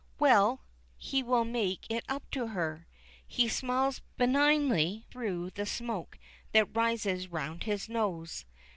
Well! he will make it up to her! He smiles benignly through the smoke that rises round his nose.